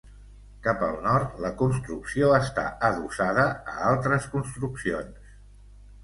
Cap al nord, la construcció està adossada a altres construccions.